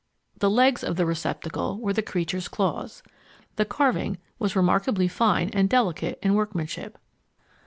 The legs of the receptacle were the creature's claws. The carving was remarkably fine and delicate in workmanship.